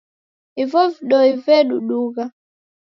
Ivo vidoi vedudugha.